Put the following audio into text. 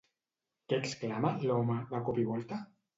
Què exclama, l'home, de cop i volta?